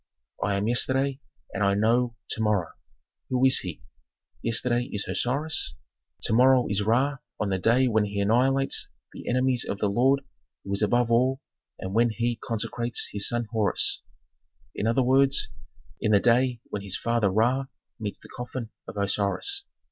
"I am Yesterday and I know To morrow. "Who is he? "Yesterday is Osiris, To morrow is Ra on the day when he annihilates the enemies of the Lord who is above all and when he consecrates his son Horus. In other words, in the day when his father Ra meets the coffin of Osiris.